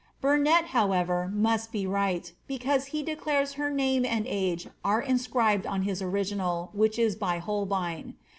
If however, must be right, because he declares her name and age scribed on his original, which is by Holbein.